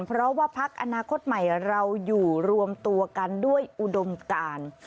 เพราะว่าพักอนาคตใหม่เราอยู่รวมตัวกันด้วยอุดมการ